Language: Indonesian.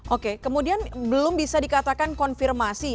oke kemudian belum bisa dikatakan konfirmasi